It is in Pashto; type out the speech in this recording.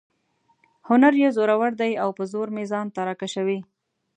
هنر یې زورور دی او په زور مې ځان ته را کشوي.